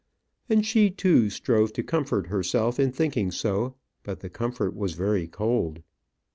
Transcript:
And she, too, strove to comfort herself in thinking so; but the comfort was very cold.